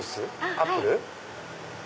アップル？